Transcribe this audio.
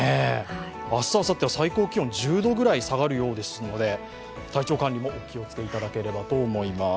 明日、あさっては最高気温が１０度くらい下がるようですので、体調管理もお気をつけいただければと思います。